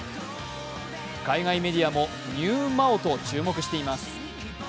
海外メディアもＮＥＷＭＡＯと注目しています。